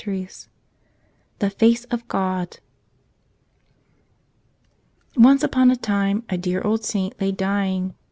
Cfte Jface of ©on ONCE upon a time a dear old saint lay dying.